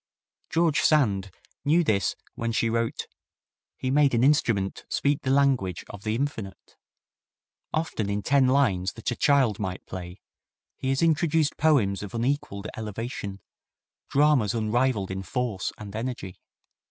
George Sand knew this when she wrote, "He made an instrument speak the language of the infinite. Often in ten lines that a child might play he has introduced poems of unequalled elevation, dramas unrivalled in force and energy.